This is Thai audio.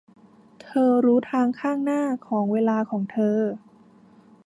เธอรู้ทางข้างหน้าของเวลาของเธอ